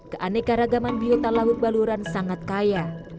keanekaragaman biota laut baluran sangat kaya